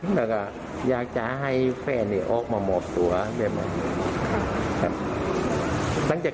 ส่วนความคืบหน้าคดีทางตำรวจผูทรเมืองพัทธรุงบอกว่า